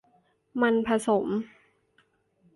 มันผสม